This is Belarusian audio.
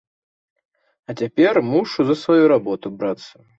А цяпер мушу за сваю работу брацца.